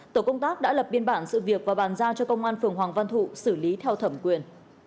tổ công tác đã lập biên bản sự việc và bàn giao cho công an phường hoàng văn thụ xử lý theo thẩm quyền